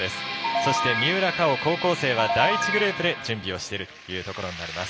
そして三浦佳生、高校生は第１グループで準備をしているというところになります。